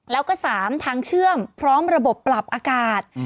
แล้วก็๓ทางเชื่อมพร้อมระบบปรับอากาศ